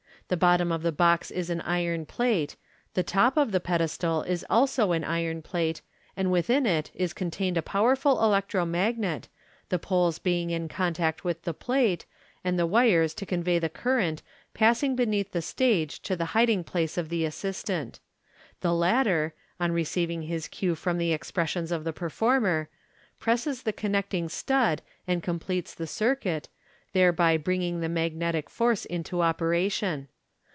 The bottom of the box is an iron plate. The top f the pedestal is also an iron plate, and within it is contained a powerful electro magnet, the poles being in contact with the plate, and the wires to convey the current passing beneath the stage to the hiding place of the assistant. The latter, on receiving his cue from the expressions of the performer, presses the connecting stud and completes the circuit, thereby bring ing the magnetic force into operation.